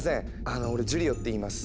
あの俺ジュリオっていいます。